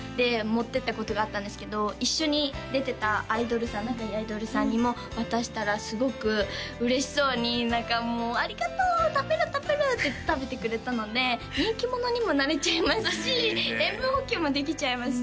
持ってったことがあったんですけど一緒に出てたアイドルさん仲いいアイドルさんにも渡したらすごく嬉しそうに何かもう「ありがとう！食べる食べる！」って食べてくれたので人気者にもなれちゃいますし塩分補給もできちゃいます